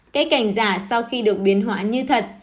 cây cảnh giả sau khi được biến hoãn như thật